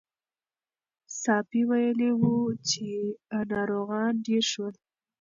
ساپی ویلي وو چې ناروغان ډېر شول.